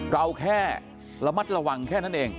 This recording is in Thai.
เราแค่ระมัดระวังแค่นั้นเอง